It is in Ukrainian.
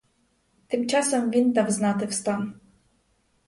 Тим часом він дав знати в стан.